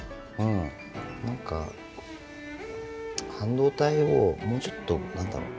何か半導体をもうちょっと何だろう。